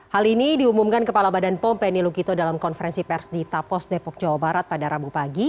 hal ini diumumkan kepala badan pom penny lukito dalam konferensi pers di tapos depok jawa barat pada rabu pagi